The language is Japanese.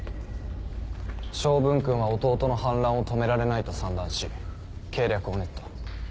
昌文君は弟の反乱を止められないと算段し計略を練った。